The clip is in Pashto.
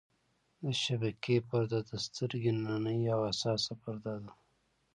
د شبکیې پرده د سترګې نننۍ او حساسه پرده ده.